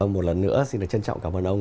một lần nữa xin được trân trọng cảm ơn ông